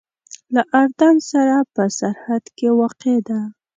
له اردن سره په سرحد کې واقع ده.